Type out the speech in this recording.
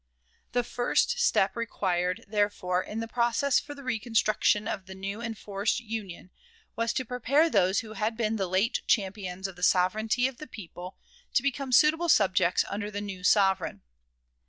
The first step required, therefore, in the process for the reconstruction of the new and forced Union, was to prepare those who had been the late champions of the sovereignty of the people to become suitable subjects under the new sovereign.